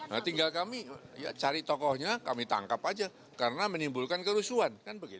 nah tinggal kami ya cari tokohnya kami tangkap aja karena menimbulkan kerusuhan